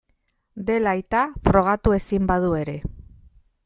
Dela aita, frogatu ezin badu ere.